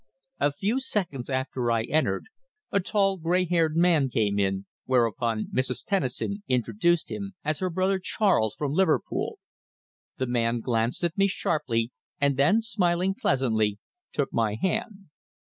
A few seconds after I had entered, a tall, grey haired man came in, whereupon Mrs. Tennison introduced him as her brother Charles from Liverpool. The man glanced at me sharply, and then, smiling pleasantly, took my hand.